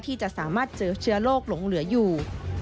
ที่จะสามารถเจอเชื้อโรคหลงเหลืออยู่